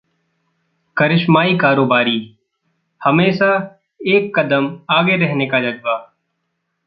करिश्माई कारोबारी: हमेशा एक कदम आगे रहने का जज्बा